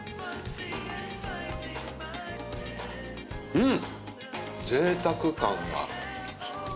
うん！